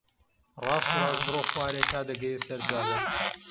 ڕاست و ڕاست بڕۆ خوارێ تا دەگەیە سەر جادە.